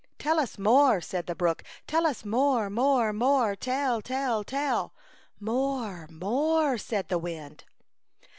"Tell us more," said the brook; "tell us more, more, more, — tell, tell, tell!" " More, more," said the wind.